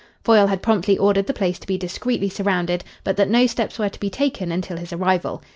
Foyle had promptly ordered the place to be discreetly surrounded, but that no steps were to be taken until his arrival.